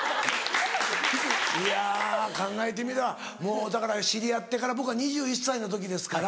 いや考えてみればもうだから知り合ってから僕は２１歳の時ですから。